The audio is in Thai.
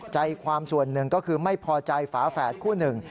ใจความส่วนหนึ่งก็คือไม่พอใจฝาแฝดคู่หนึ่ง